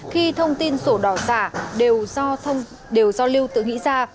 khi thông tin sổ đỏ giả đều do lưu tự nghĩ ra